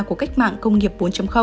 của cách mạng công nghiệp bốn